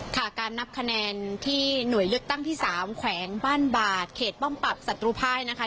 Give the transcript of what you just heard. ค่ะการนับคะแนนที่หน่วยเลือกตั้งที่๓แขวงบ้านบาดเขตป้อมปรับศัตรูภายนะคะ